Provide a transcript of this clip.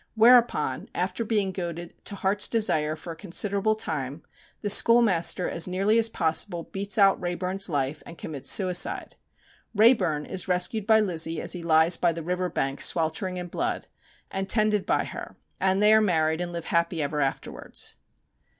Whereupon, after being goaded to heart's desire for a considerable time, the schoolmaster as nearly as possible beats out Wrayburn's life, and commits suicide. Wrayburn is rescued by Lizzie as he lies by the river bank sweltering in blood, and tended by her, and they are married and live happy ever afterwards.